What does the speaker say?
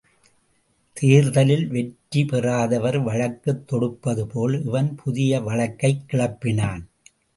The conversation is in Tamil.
தேர்தலில் வெற்றி பெறாதவர்கள் வழக்குத் தொடுப்பது போல் இவன் புதிய வழக்கைக் கிளப்பினான்.